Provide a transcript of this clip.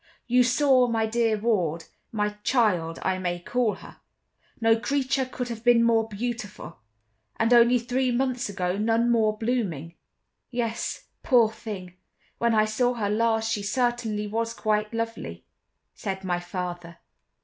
"You saw my dear ward—my child, I may call her. No creature could have been more beautiful, and only three months ago none more blooming." "Yes, poor thing! when I saw her last she certainly was quite lovely," said my father.